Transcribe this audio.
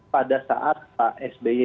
pada saat pak sby